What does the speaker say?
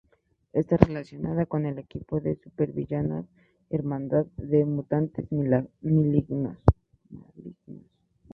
Está relacionada con el equipo de supervillanos Hermandad de Mutantes Malignos.